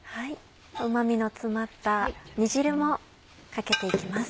うま味の詰まった煮汁もかけて行きます。